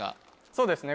そうですね